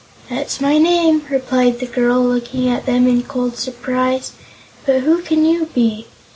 "That's my name," replied the girl, looking at them in cold surprise. "But who can you be?"